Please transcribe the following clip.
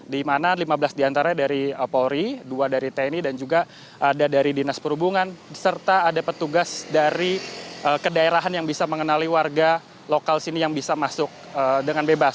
di mana lima belas diantara dari polri dua dari tni dan juga ada dari dinas perhubungan serta ada petugas dari kedaerahan yang bisa mengenali warga lokal sini yang bisa masuk dengan bebas